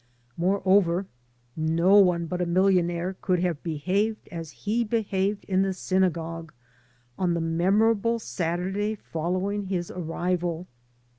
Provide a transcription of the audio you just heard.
Moreover, no one but a millionaire could have be haved as he behaved in the synagogue on the memorable Saturday following his arrival.